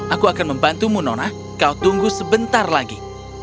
aku akan membantumu nona kau tunggu sebentar lagi